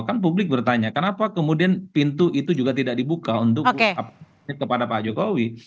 kan publik bertanya kenapa kemudian pintu itu juga tidak dibuka untuk kepada pak jokowi